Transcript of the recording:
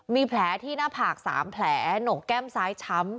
มีแผลที่หน้าผาก๓แผลหนกแก้มซ้ายช้ำ